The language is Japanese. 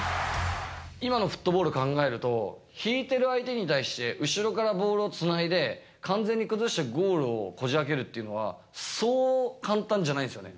今のフットボールを考えると、引いてる相手に対して、後ろからボールをつないで、完全に崩してゴールをこじあけるっていうのは、そう簡単じゃないんですよね。